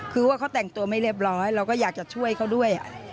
คือว่าเขาแต่งตัวไม่เรียบร้อยเราก็อยากจะช่วยเขาด้วย